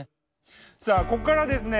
さあここからはですね